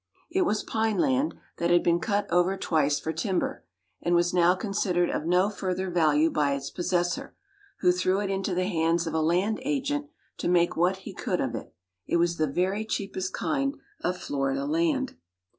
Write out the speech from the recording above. It was pine land, that had been cut over twice for timber, and was now considered of no further value by its possessor, who threw it into the hands of a land agent to make what he could of it. It was the very cheapest kind of Florida land.